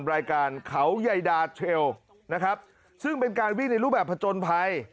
รายการเขาใยดาเทรลนะครับซึ่งเป็นการวิ่งในรูปแบบผจญภัย